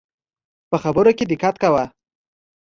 په خبرو کي دقت کوه